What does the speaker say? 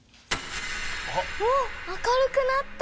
おっ明るくなった。